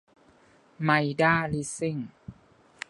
ไมด้า ลิสซิ่ง